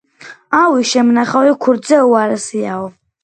ავი შემნახავი ქურდზე უარესიაო